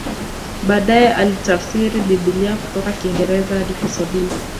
Baadae alitafsiri Biblia kutoka Kiingereza hadi Kiswahili